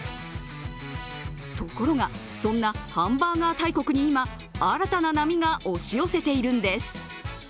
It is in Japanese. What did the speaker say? ところが、そんなハンバーガー大国に今、新たな波が押し寄せているんです。